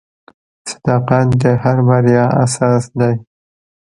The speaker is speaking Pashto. • صداقت د هر بریا اساس دی.